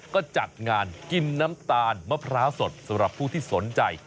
ก็จัดงานกินน้ำตาลมะพร้าวสดสำหรับผู้ที่สนใจ